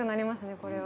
これは。